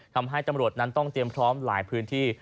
ทำให้ตำรวจนั้นต้องเตรียมพร้อมหลายพื้นที่